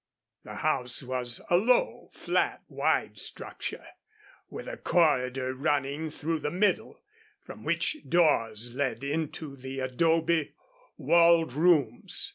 The house was a low, flat, wide structure, with a corridor running through the middle, from which doors led into the adobe walled rooms.